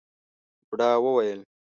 بوډا وويل: